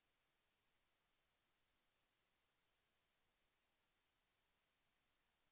โอเคโอเคโอเคโอเค